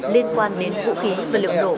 liên quan đến vũ khí vật liệu nổ